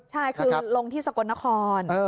ใช่คือลงที่สกลนคร